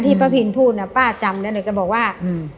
ที่ป้าพีนพูดนะป้าจำแล้วเขาบอกว่า